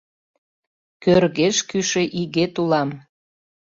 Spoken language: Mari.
Кӧргеш кӱшӧ игет улам!